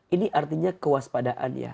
ini artinya kewaspadaan ya